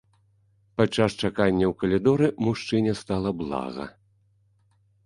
Падчас чакання ў калідоры мужчыне стала блага.